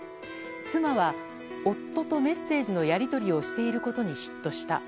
妻は、夫とメッセージのやり取りをしていることに嫉妬した。